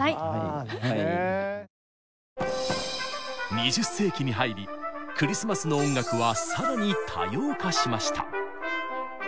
２０世紀に入りクリスマスの音楽は更に多様化しました。